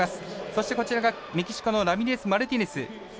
そして、こちらがメキシコのラミレスマルティネス。